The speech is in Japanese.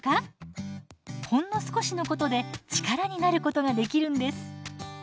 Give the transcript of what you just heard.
ほんの少しのことで力になることができるんです。